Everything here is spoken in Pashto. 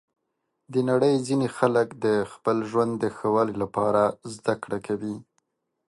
د نړۍ ځینې خلک د خپل ژوند د ښه والي لپاره زده کړه کوي.